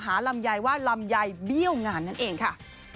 ลำไยว่าลำไยเบี้ยวงานนั่นเองค่ะ